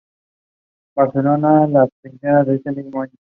Barcelona le fichara ese mismo año.